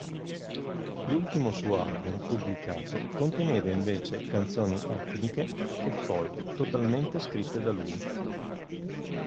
L'ultimo suo album pubblicato conteneva invece canzoni etniche e folk totalmente scritte da lui.